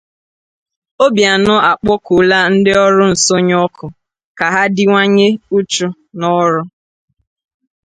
Obianọ Akpọkuola Ndị Ọrụ Nsọnyụ Ọkụ Ka Ha Dịwanye Uchu n'Ọrụ